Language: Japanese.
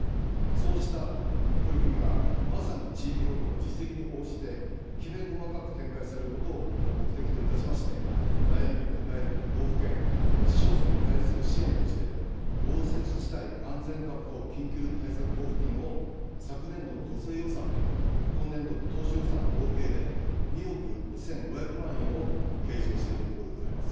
そうした取り組みがまさに地域ごとの実績に応じて、きめ細かく展開されることを目的といたしまして、悩みを抱える道府県、市町村に対する支援として、豪雪地帯安全確保緊急対策交付金を昨年度の補正予算と今年度の当初予算の合計で２億２５００万円を計上しているところでございます。